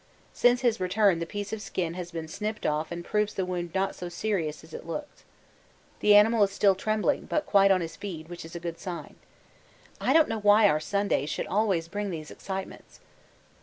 Since his return the piece of skin has been snipped off and proves the wound not so serious as it looked. The animal is still trembling, but quite on his feed, which is a good sign. I don't know why our Sundays should always bring these excitements.